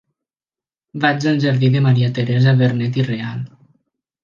Vaig al jardí de Maria Teresa Vernet i Real.